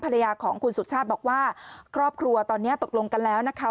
ภรรยาของคุณสุชาติบอกว่าครอบครัวตอนนี้ตกลงกันแล้วนะคะ